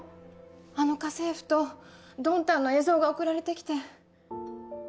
あの家政婦とドンタンの映像が送られてきて。